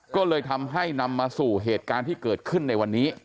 ก็เลยทำให้นำมาสู่เหตุการณ์ที่เกิดขึ้นในวันนี้